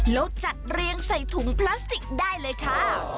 แล้วจัดเรียงใส่ถุงพลาสติกได้เลยค่ะ